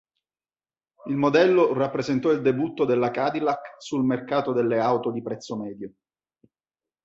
Il modello rappresentò il debutto della Cadillac sul mercato delle auto di prezzo medio.